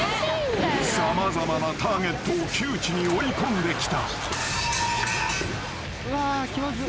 ［様々なターゲットを窮地に追い込んできた］